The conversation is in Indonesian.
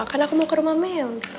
kan aku mau ke rumah mel